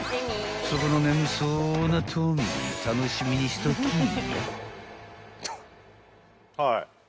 そこの眠そうなトミー楽しみにしとき］